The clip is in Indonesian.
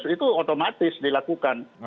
itu otomatis dilakukan